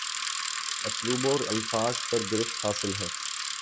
اسلوب اور الفاظ پر گرفت حاصل ہے